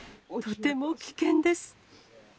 とても危険です。